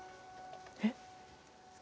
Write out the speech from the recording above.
えっ？